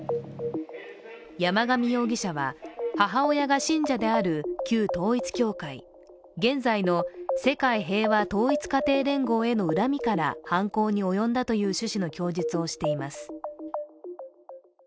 山上容疑者は、母親が信者である旧統一教会現在の世界平和統一家庭連合への恨みから犯行に及んだという趣旨の供述をしています。